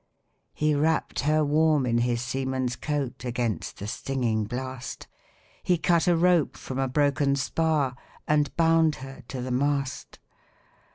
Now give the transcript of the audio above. He wrapp'd her warm in his seaman's coat Against the stinging blast; He cut a rope from a broken spar, And bound her to the mast.